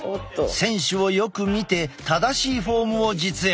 選手をよく見て正しいフォームを実演。